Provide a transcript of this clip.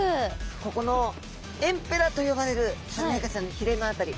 ここのエンペラと呼ばれるスルメイカちゃんのひれの辺り。